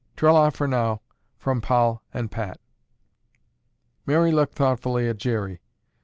Tra la for now. From Poll and Pat." Mary looked thoughtfully at, Jerry.